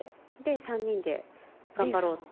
３人で頑張ろうって。